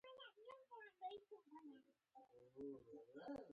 نه د افریقایي هېوادونو په څېر چې ډېر بېوزله دي.